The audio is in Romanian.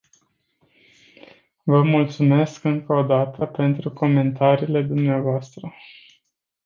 Vă mulțumesc încă o dată pentru comentariile dvs.